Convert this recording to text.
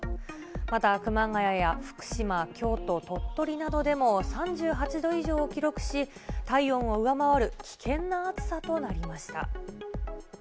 また熊谷や福島、京都、鳥取などでも３８度以上を記録し、体温を上回る危険な暑さとなりました。